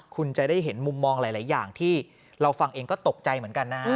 คุณจะได้เห็นมุมมองหลายอย่างที่เราฟังเองก็ตกใจเหมือนกันนะฮะ